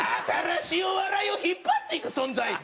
「新しいお笑いを引っ張っていく存在」。